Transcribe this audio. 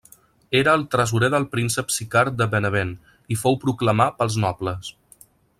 Era el tresorer del príncep Sicard de Benevent i fou proclamar pels nobles.